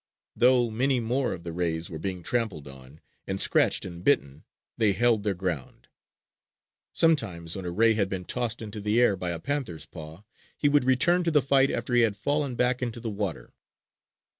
Though many more of the rays were being trampled on, and scratched and bitten, they held their ground. Sometimes when a ray had been tossed into the air by a panther's paw, he would return to the fight after he had fallen back into the water.